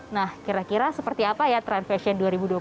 nah kira kira seperti apa ya trend fashion dua ribu dua puluh satu